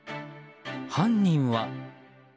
犯人は。